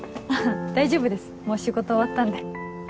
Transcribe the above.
大丈夫ですもう仕事終わったんで。